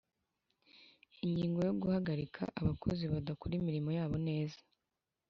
Ingingo yo Guhagarika abakozi badakora imirimo yabo neza